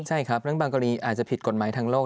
ใช่ครับเรื่องบางกรณีอาจจะผิดกฎหมายทางโลก